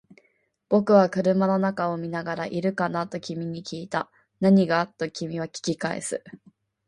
僕は車の中を見ながら、いるかな？と君に訊いた。何が？と君は訊き返す。